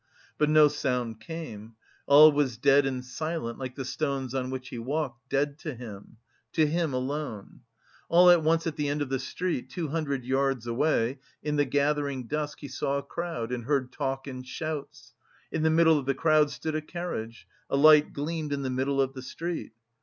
But no sound came, all was dead and silent like the stones on which he walked, dead to him, to him alone.... All at once at the end of the street, two hundred yards away, in the gathering dusk he saw a crowd and heard talk and shouts. In the middle of the crowd stood a carriage.... A light gleamed in the middle of the street.